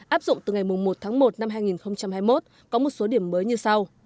áp dụng từ ngày một tháng một năm hai nghìn hai mươi một có một số điểm mới như sau